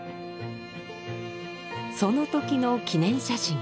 その時の記念写真。